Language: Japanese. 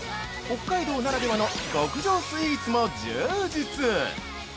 北海道ならではの極上スイーツも充実！